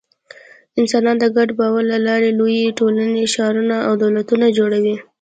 انسانان د ګډ باور له لارې لویې ټولنې، ښارونه او دولتونه جوړوي.